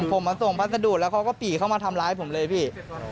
ผมมาส่งพัสดุแล้วเขาก็ปีเข้ามาทำร้ายผมเลยพี่